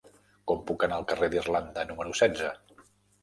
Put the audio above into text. Com puc anar al carrer d'Irlanda número setze?